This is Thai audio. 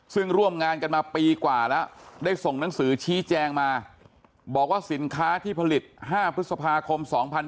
ซึ่งร่วมงานกันมาปีกว่าแล้วได้ส่งหนังสือชี้แจงมาบอกว่าสินค้าที่ผลิต๕พฤษภาคม๒๕๕๙